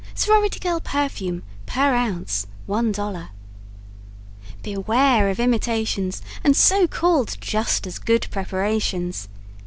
Sorority Girl Perfume, per oz $1.00 Beware of imitations and so called "just as good" preparations.